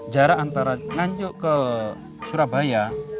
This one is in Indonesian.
jarak antara nganjuk ke surabaya